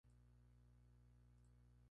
Siendo aún niño, muere su madre.